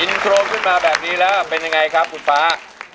โครงขึ้นมาแบบนี้แล้วเป็นยังไงครับคุณฟ้า